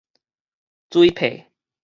水帕